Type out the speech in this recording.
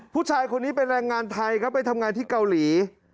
ผู้ชายคนนี้เป็นแรงงานไทยครับไปทำงานที่เกาหลี